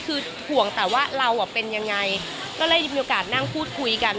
คือห่วงแต่ว่าเราเป็นยังไงก็เลยมีโอกาสนั่งพูดคุยกัน